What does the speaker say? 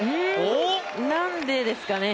なんでですかね。